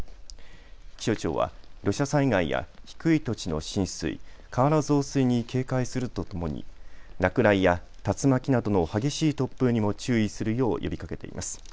気象庁は土砂災害や低い土地の浸水、川の増水に警戒するとともに落雷や竜巻などの激しい突風にも注意するよう呼びかけています。